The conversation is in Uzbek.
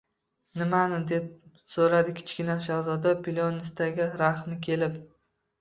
Nimani? — deb so‘radi Kichkina shahzoda plyonistaga rahmi kelib.